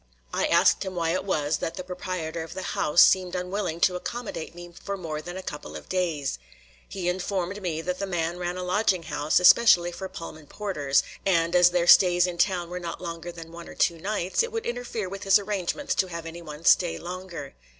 I asked him why it was that the proprietor of the house seemed unwilling to accommodate me for more than a couple of days. He informed me that the man ran a lodging house especially for Pullman porters, and, as their stays in town were not longer than one or two nights, it would interfere with his arrangements to have anyone stay longer.